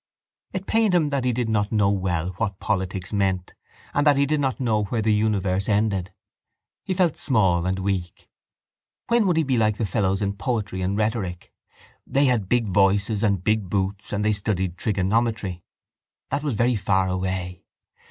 It pained him that he did not know well what politics meant and that he did not know where the universe ended. He felt small and weak. When would he be like the fellows in poetry and rhetoric? They had big voices and big boots and they studied trigonometry. That was very far away.